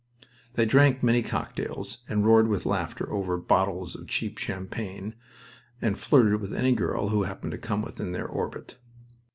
They drank many cocktails and roared with laughter over, bottles of cheap champagne, and flirted with any girl who happened to come within their orbit.